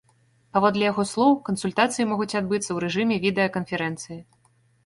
Паводле яго слоў, кансультацыі могуць адбыцца ў рэжыме відэаканферэнцыі.